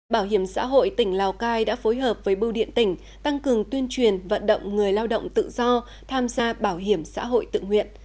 bảo hiểm xã hội tỉnh lào cai đã phối hợp với bưu điện tỉnh tăng cường tuyên truyền vận động người lao động tự do tham gia bảo hiểm xã hội tự nguyện